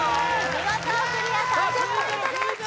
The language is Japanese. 見事クリア３０ポイントです